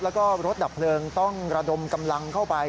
แล้วก็รถดับเพลิงต้องระดมกำลังเข้าไป